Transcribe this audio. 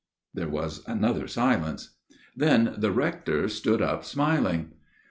There was another silence. Then the Rector stood up smiling.